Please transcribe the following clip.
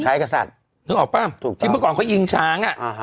กับสัตว์นึกออกป่ะถูกที่เมื่อก่อนเขายิงช้างอ่ะอ่าฮะ